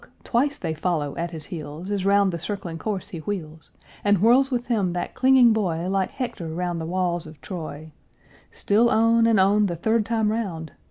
twice they follow at his heels, As round the circling course he wheels, And whirls with him that clinging boy Like Hector round the walls of Troy; Still on, and on, the third time round!